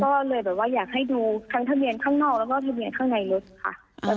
ก็เลยแบบว่าอยากให้ดูทั้งทะเบียนข้างนอกแล้วก็ทะเบียนข้างในรถค่ะ